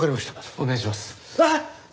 お願いします。